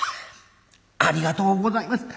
ありがとうございます」。